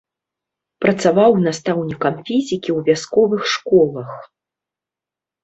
Працаваў настаўнікам фізікі ў вясковых школах.